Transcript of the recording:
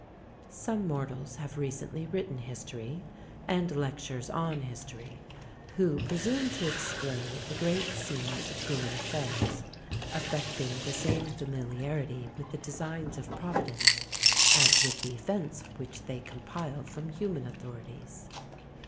Some mortals have recently written history, and "Lectures on History," who presume to explain the great scene of human affairs, affecting the same familiarity with the designs of Providence as with the events which they compile from human authorities.